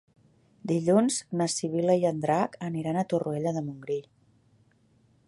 Dilluns na Sibil·la i en Drac aniran a Torroella de Montgrí.